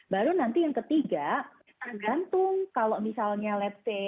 baru nanti yang ketiga tergantung kalau misalnya let's say